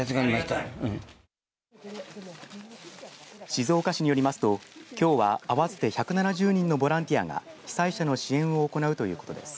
静岡市によりますと、きょうは合わせて１７０人のボランティアが被災者の支援を行うということです。